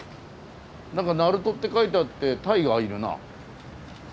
「鳴門」って書いてあってタイがいるな。